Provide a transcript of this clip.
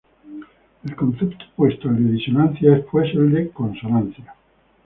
El concepto opuesto al de disonancia es, pues, el de consonancia.